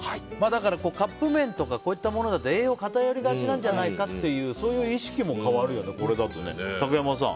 だからカップ麺とかこういったものだと、栄養が偏りがちなんじゃないかっていうそういう意識も変わるよね、これだと。